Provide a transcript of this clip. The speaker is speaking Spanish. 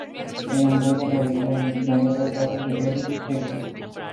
En Hamburgo realizó en el mismo año retratos de Erich Heckel.